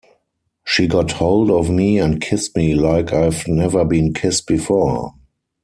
She got hold of me and kissed me like I've never been kissed before.